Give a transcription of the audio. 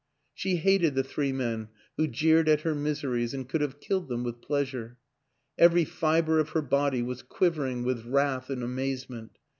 She hated the three men who jeered at her miseries and could have killed them with pleasure; every fiber of her body was quivering with wrath and amazement.